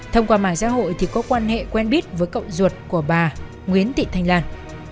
thông qua mạng xã hội thì có quan hệ quen biết với cậu ruột của bà nguyễn thị thanh lan